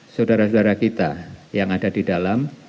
saudara saudara kita yang ada di dalam